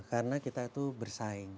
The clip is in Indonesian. karena kita itu bersaing